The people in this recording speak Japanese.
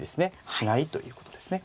しないということですね。